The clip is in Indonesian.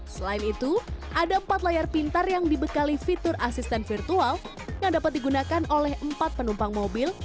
selain itu ada empat layar pintar yang dibekali fitur asisten virtual yang dapat digunakan oleh empat penumpang mobil